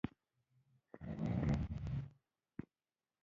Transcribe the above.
د اوومې اونۍ په پای کې هم پرمختګ نه و